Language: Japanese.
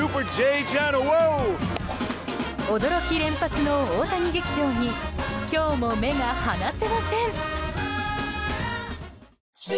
驚き連発の大谷劇場に今日も目が離せません。